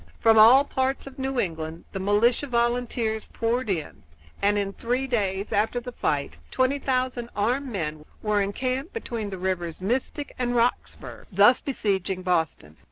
From all parts of New England the militia and volunteers poured in, and in three days after the fight, twenty thousand armed men were encamped between the rivers Mystic and Roxburgh, thus besieging Boston.